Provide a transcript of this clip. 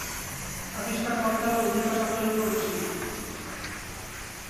আবিষ্কারকর্তার অধিকার সকলের উপর– রসিক।